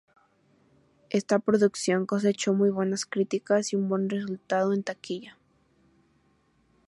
Esta producción cosechó muy buenas críticas y un buen resultado en taquilla.